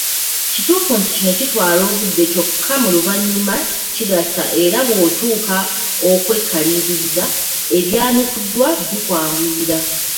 Kituufu nti kino kitwala obudde kyokka mu luvannyuma kigasa era bw’otuuka okwekaliriza ebyanukuddwa bikwanguyira.